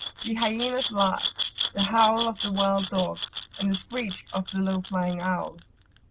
the hyaena's laugh, the howl of the wild dog, and the screech of the low flying owl.